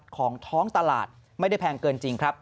ของท้องตลาดไม่ได้แพงเกินจริงครับ